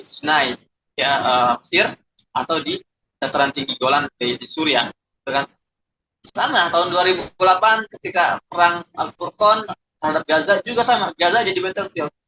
sinai ya sir atau di dataran tinggi golan psd surya tahun dua ribu delapan ketika perang al furqan juga sama